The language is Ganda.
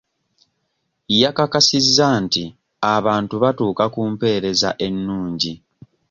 Yakakasizza nti abantu batuuka ku mpeereza ennungi.